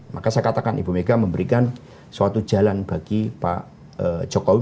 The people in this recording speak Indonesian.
maka saya katakan ibu mega memberikan suatu jalan bagi pak jokowi